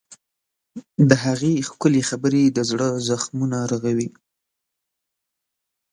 د هغې ښکلي خبرې د زړه زخمونه رغوي.